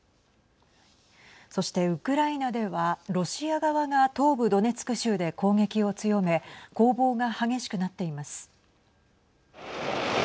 そしてウクライナではロシア側が東部ドネツク州で攻撃を強め攻防が激しくなっています。